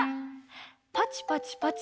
パチパチパチ。